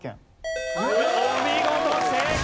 お見事正解！